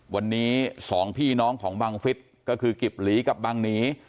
วันนี้สองพี่น้องของบังฟิศก็คือกิบหลีกับบังหนี